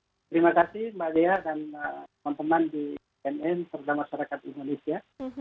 terima kasih mbak dea dan teman teman di cnn serta masyarakat indonesia